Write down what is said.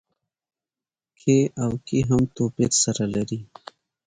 کې او کي هم توپير سره لري.